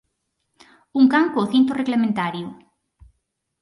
Un can co cinto reglamentario